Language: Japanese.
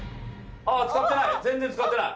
全然使ってない。